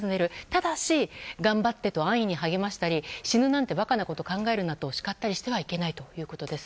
ただし頑張ってと安易に励ましたり死ぬなんて馬鹿なことを考えるなと叱ってはいけないということです。